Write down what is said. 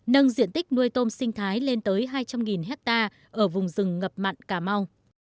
nâng diện tích nuôi tôm sinh thái lên tới hai trăm linh hectare ở vùng rừng ngập mặn cà mau